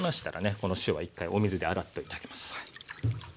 この塩は一回お水で洗っといてあげます。